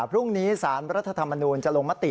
พรุ่งนี้สารรัฐธรรมนูลจะลงมติ